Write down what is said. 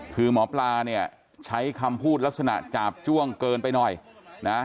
คือหมอปลาเนี่ยใช้คำพูดลักษณะจาบจ้วงเกินไปหน่อยนะ